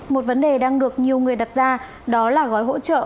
một vấn đề đang được nhiều người đặt ra đó là gói hỗ trợ